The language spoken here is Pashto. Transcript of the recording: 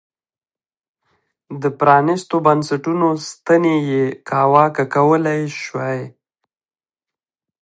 د پرانیستو بنسټونو ستنې یې کاواکه کولای شوای.